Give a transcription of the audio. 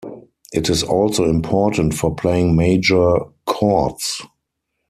It is also important for playing major chords.